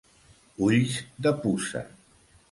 Ulls de puça.